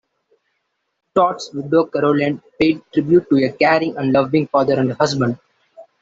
Todd's widow Carolyn paid tribute to a caring and loving father and husband.